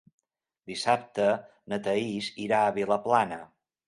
Dissabte na Thaís irà a Vilaplana.